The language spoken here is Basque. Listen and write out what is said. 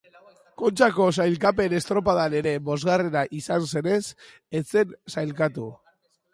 Kontxako sailkapen estropadan ere bosgarrena izan zenez ez zen sailkatu.